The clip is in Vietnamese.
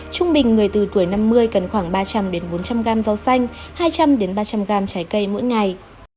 trung bình người từ tuổi năm mươi cần khoảng ba trăm linh bốn trăm linh gram rau xanh hai trăm linh ba trăm linh gram trái cây mỗi ngày